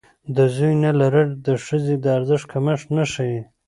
د زوی نه لرل د ښځې د ارزښت کمښت نه ښيي.